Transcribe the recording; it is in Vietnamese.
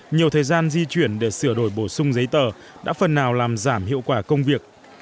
nhiều thời gian di chuyển để sửa đổi bổ sung giấy tờ đã phần nào làm giảm hiệu quả công việc